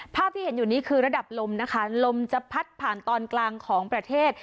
ภาพที่เห็นอยู่นี้คือระดับลมนะคะลมจะพัดผ่านตอนกลางของประเทศ